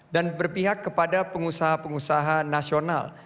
dan berpihak kepada pengusaha pengusaha nasional